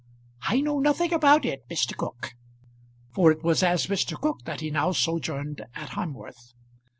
"I know nothing about it, Mr. Cooke;" for it was as Mr. Cooke that he now sojourned at Hamworth.